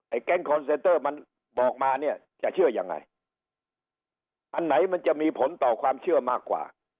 ไอ้แก๊งมันบอกมาเนี่ยจะเชื่อยังไงอันไหนมันจะมีผลต่อความเชื่อมากกว่า